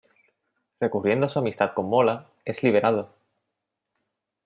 Recurriendo a su amistad con Mola, es liberado.